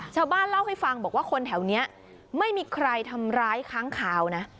ชาวบ้านเล่าให้ฟังบอกว่าคนแถวนี้ไม่มีใครทำร้ายค้างคาวนะ